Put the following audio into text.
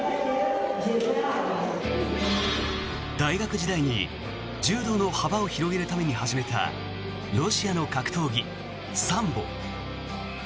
大学時代に柔道の幅を広げるために始めたロシアの格闘技、サンボ。